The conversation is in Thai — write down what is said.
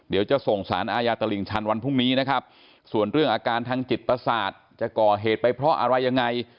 เดี๋ยวจะส่งสารอาญาตลิ่งชันวันพรุ่งนี้นะครับส่วนเรื่องอาการทางจิตประสาทจะก่อเหตุไปเพราะอะไรยังไง